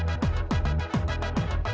ya ini salah aku